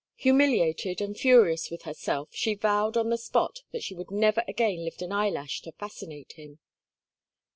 Humiliated and furious with herself, she vowed on the spot that she would never again lift an eyelash to fascinate him.